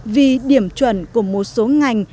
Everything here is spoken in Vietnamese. vì điểm chuẩn của một số ngành